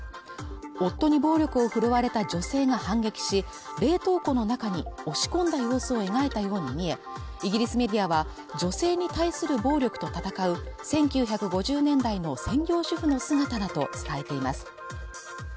夫に暴力を振るわれた女性が反撃し冷凍庫の中に押し込んだ様子を描いたように見えイギリスメディアは女性に対する暴力と闘う１９５０年代の専業主婦の姿だと伝えています